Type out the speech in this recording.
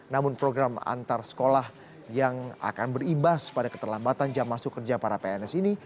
namun program antar sekolah yang akan berimbas pada keterlambatan jam masuk kerja para pns ini